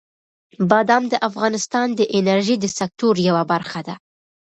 بادام د افغانستان د انرژۍ د سکتور یوه برخه ده.